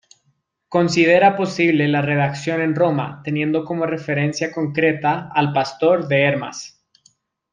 Considera posible la redacción en Roma, teniendo como referencia concreta al Pastor de Hermas.